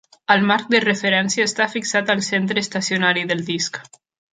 El marc de referència està fixat al centre estacionari del disc.